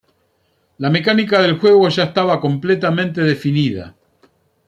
La mecánica del juego ya estaba completamente definida.